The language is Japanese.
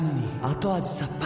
後味さっぱり．．．